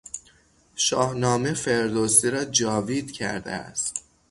شاهنامه، فردوسی را جاوید کرده است.